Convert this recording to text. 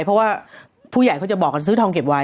เพราะว่าผู้ใหญ่เขาจะบอกกันซื้อทองเก็บไว้